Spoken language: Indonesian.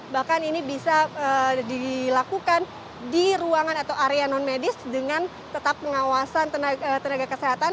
bahkan ini bisa dilakukan di ruangan atau area non medis dengan tetap pengawasan tenaga kesehatan